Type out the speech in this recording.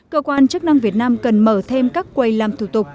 cơ quan chức năng việt nam cần mở thêm các quầy làm thủ tục